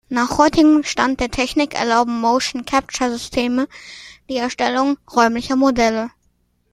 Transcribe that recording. Nach heutigem Stand der Technik erlauben Motion Capture-Systeme die Erstellung räumlicher Modelle.